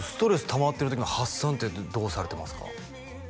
たまってる時の発散ってどうされてますか？